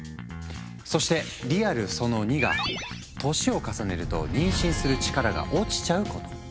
そしてリアルその２が年を重ねると妊娠する力が落ちちゃうこと。